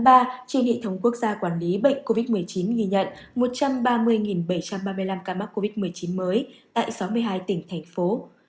trên hệ thống quốc gia quản lý bệnh covid một mươi chín ghi nhận một trăm ba mươi bảy trăm ba mươi năm ca mắc covid một mươi chín mới tại sáu mươi hai tỉnh thành phố